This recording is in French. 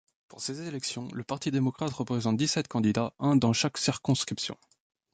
Pour ces élections, le Parti démocrate présente dix-sept candidats, un dans chaque circonscription.